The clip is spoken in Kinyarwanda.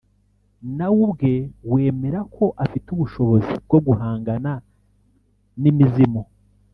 na we ubwe wemera ko afite ubushobozi bwo guhangana n’imizimu